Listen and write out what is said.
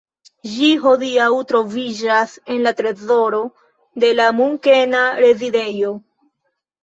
Ĝi hodiaŭ troviĝas en la trezoro de la Munkena Rezidejo.